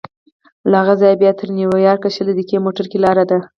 له هغه ځایه بیا تر نیویارکه شل دقیقې موټر کې لاره ده.